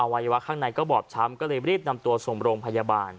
วัยวะข้างในก็บอบช้ำก็เลยรีบนำตัวส่งโรงพยาบาล